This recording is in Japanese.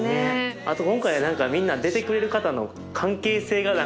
あと今回は何かみんな出てくれる方の関係性が全部違って。